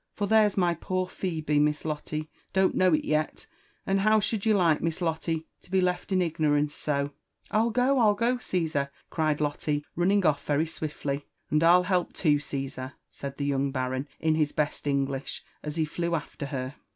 For there's my poor Phebe, Miss Lotte, don't know it yet ; and how should you like, Miss Lotte, to be left in ignorance so ?" "I'll go, I'll go, Caesar," cried Lotte, running off very swiftly.— " And ru help too, Caesar," said the young baron in his best English, as he flew after her.